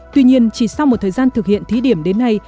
tuy nhiên chỉ sau một thời gian thực hiện thí điểm đến nay